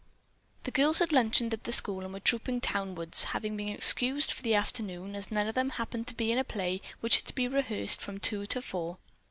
The girls had lunched at the school and were trooping townwards, having been excused for the afternoon, as none of them happened to be in a play which was to be rehearsed from two to four.